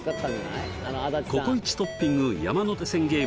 ココイチトッピング山手線ゲーム